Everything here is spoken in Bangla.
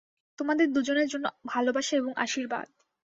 তোমাদের দুজনের জন্য ভালবাসা এবং আশীর্বাদ।